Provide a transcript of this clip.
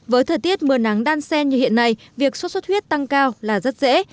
với thời tiết mưa nắng đan sen như hiện nay việc xuất xuất huyết tăng cao là rất dễ